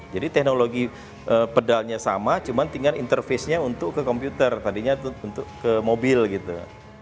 jadi teknologi pedalnya sama cuman tinggal interface nya untuk ke komputer tadinya untuk ke mobil gitu